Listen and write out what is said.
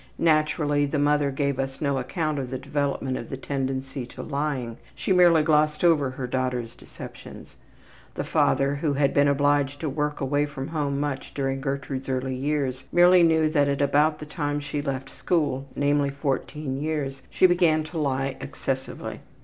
Naturally, the mother gave us no account of the development of the tendency to lying; she merely glossed over her daughter's deceptions. The father, who had been obliged to work away from home much during Gertrude's early years, merely knew that at about the time she left school, namely 14 years, she began to lie excessively.